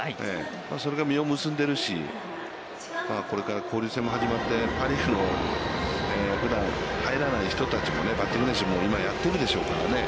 それが実を結んでるし、これから交流戦も始まって、パ・リーグのふだん入らない人たちも、バッティング練習も今やっているでしょうからね。